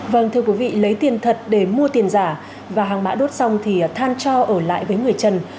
vâng thưa quý vị lấy tiền thật để mua tiền giả và hàng mã đốt xong thì than cho ở lại với người trần